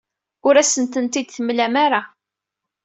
Ur asent-tent-id-temlam ara.